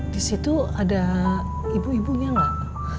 disitu ada ibu ibunya gak